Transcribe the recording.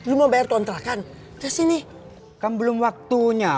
itu bertempat setempat